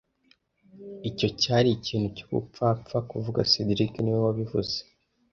Icyo cyari ikintu cyubupfapfa kuvuga cedric niwe wabivuze